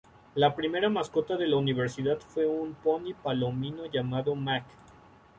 La primera mascota de la universidad fue un poni palomino llamado "Mac".